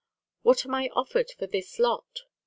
"What am I offered for this lot?"